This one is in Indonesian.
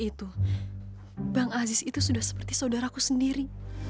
itu bang aziz itu sudah seperti saudara aku sendiri